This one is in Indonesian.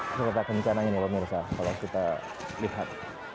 kereta kencananya nih pak mirsa kalau kita lihat